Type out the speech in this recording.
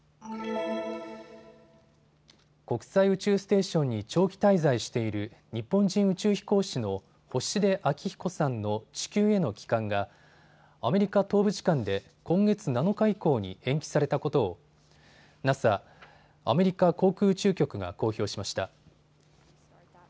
国際宇宙ステーションに長期滞在している日本人宇宙飛行士の星出彰彦さんの地球への帰還がアメリカ東部時間で今月７日以降に延期されたことをＮＡＳＡ・アメリカ航空宇宙局が公表しました。